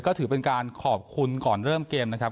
ก็ถือเป็นการขอบคุณก่อนเริ่มเกมนะครับ